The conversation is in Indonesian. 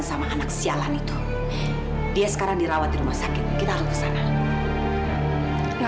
sampai jumpa di video selanjutnya